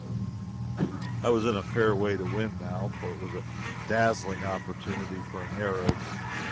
I was in a fair way to win, now, for it was a dazzling opportunity for an Arab.